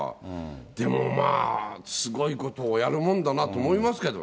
でもまあ、すごいことをやるもんだなと思いますけどね。